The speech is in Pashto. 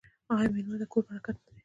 آیا میلمه د کور برکت نه دی؟